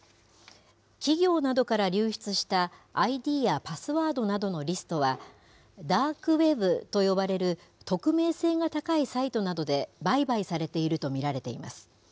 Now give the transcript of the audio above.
企業などから流出したＩＤやパスワードなどのリストは、ダークウェブと呼ばれる匿名性が高いサイトなどで売買されていると見られています。